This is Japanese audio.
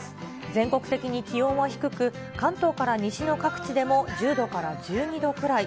全国的に気温は低く、関東から西の各地でも１０度から１２度くらい。